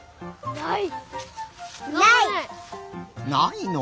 ない。